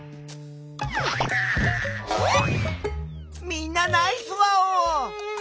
みんなナイスワオ！